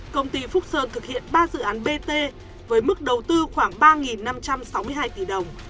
công ty phúc sơn thực hiện ba dự án bt với mức đầu tư khoảng ba năm trăm sáu mươi hai tỷ đồng